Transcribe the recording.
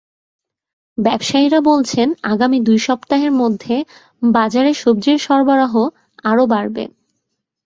ব্যবসায়ীরা বলছেন, আগামী দুই সপ্তাহের মধ্যে বাজারে সবজির সরবরাহ আরও বাড়বে।